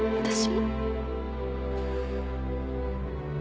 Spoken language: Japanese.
私も。